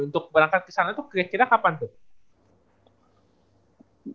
untuk berangkat ke sana itu kira kira kapan tuh